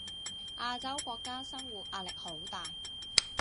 亞洲國家生活壓力好大